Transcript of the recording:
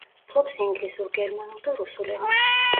ფლობს ინგლისურ, გერმანულ და რუსულ ენებს.